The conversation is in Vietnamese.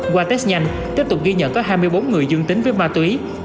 qua test nhanh tiếp tục ghi nhận có hai mươi bốn người dương tính với ma túy